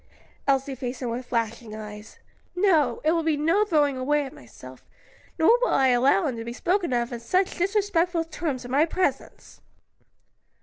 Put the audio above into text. Elsie faced him with flashing eyes. "No; it will be no throwing away of myself, nor will I allow him to be spoken of in such disrespectful terms, in my presence."